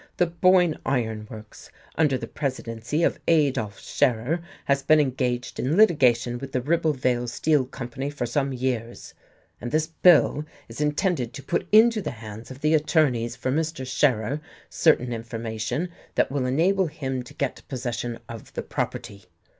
The Boyne Iron Works, under the presidency of Adolf Scherer, has been engaged in litigation with the Ribblevale Steel Company for some years: and this bill is intended to put into the hands of the attorneys for Mr. Scherer certain information that will enable him to get possession of the property.